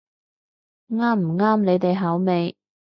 啱唔啱你哋口味